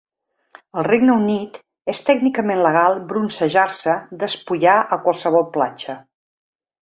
Al Regne Unit, és tècnicament legal bronzejar-se despullar a qualsevol platja.